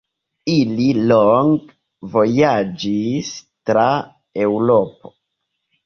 Ili longe vojaĝis tra Eŭropo.